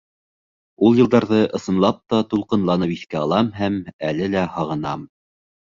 Ул йылдарҙы ысынлап та тулҡынланып иҫкә алам һәм әле лә һағынам.